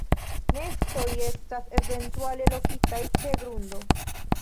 Nestoj estas eventuale lokitaj ĉe grundo.